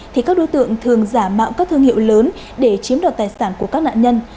thì các đối tượng thường giả mạo các thương hiệu lớn để chiếm đoạt tài sản của các nạn nhân